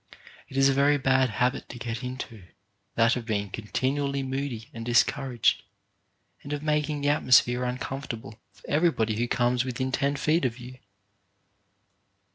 It is a very bad habit to get into, that of being continu ally moody and discouraged, and of making the atmosphere uncomfortable for everybody who comes within ten feet of you.